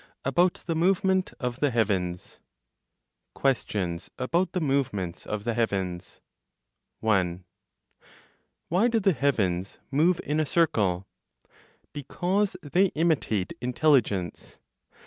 About the Movement of the Heavens. QUESTIONS ABOUT THE MOVEMENTS OF THE HEAVENS. 1. Why do the heavens move in a circle? Because they imitate Intelligence.